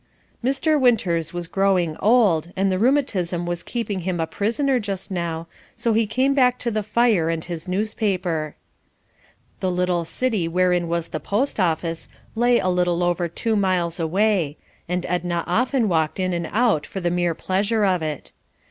Mr. Winters was growing old, and the rheumatism was keeping him a prisoner just now, so he came back to the fire and his newspaper. The little city wherein was the post office lay a little over two miles away, and Edna often walked in and out for the mere pleasure of it.